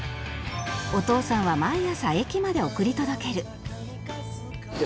お父さんは毎朝駅まで送り届ける